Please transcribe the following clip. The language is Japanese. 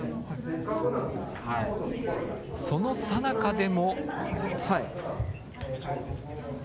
そのさなかでも。